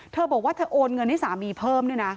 เธอบอกว่าเธอโอนเงินให้สามีเพิ่มด้วยนะ